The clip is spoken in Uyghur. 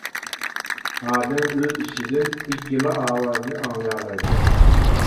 ئادەم ئۆز ئىچىدىن ئىككىلا ئاۋازنى ئاڭلىيالايدۇ.